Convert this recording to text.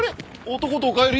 男とお帰り？